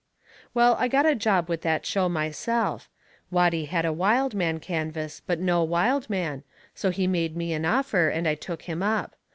Well, I got a job with that show myself. Watty had a wild man canvas but no wild man, so he made me an offer and I took him up.